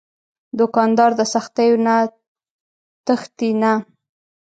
دوکاندار د سختیو نه تښتي نه.